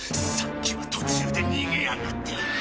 さっきは途中で逃げやがって。